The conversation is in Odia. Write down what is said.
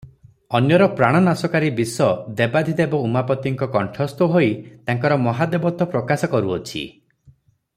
ଅନ୍ୟର ପ୍ରାଣନାଶକାରି ବିଷ ଦେବାଧିଦେବ ଉମାପତିଙ୍କ କଣ୍ଠସ୍ଥ ହୋଇ ତାଙ୍କର ମହାଦେବତ୍ୱ ପ୍ରକାଶ କରୁଅଛି ।